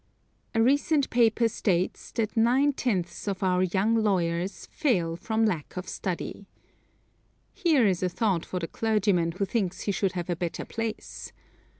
A recent paper states that nine tenths of our young lawyers fail from lack of study. Here is a thought for the clergyman who thinks he should have a better place.